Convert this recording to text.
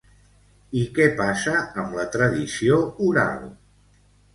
I què passa amb la tradició oral?